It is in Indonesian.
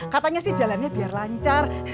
katanya sih jalannya biar lancar